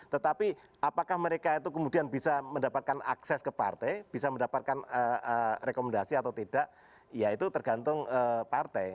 tetapi apakah mereka itu kemudian bisa mendapatkan akses ke partai bisa mendapatkan rekomendasi atau tidak ya itu tergantung partai